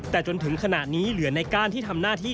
แต่จนถึงขณะนี้เหลือในก้านที่ทำหน้าที่